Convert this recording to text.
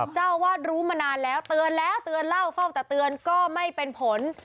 เจ้าวาดรู้มานานแล้วเตือนแล้วเตือนเล่าเฝ้าแต่เตือนก็ไม่เป็นผล